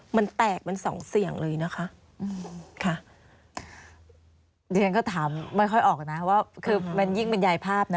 มันแตกมันสองเสี่ยงเลยนะคะค่ะดิฉันก็ถามไม่ค่อยออกนะว่าคือมันยิ่งบรรยายภาพนะ